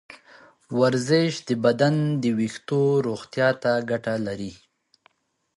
ورزش د بدن د ویښتو روغتیا ته ګټه لري.